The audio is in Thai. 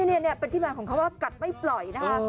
นี่เป็นที่มันของเค้าว่ากัดไม่เป็นตายนะคะ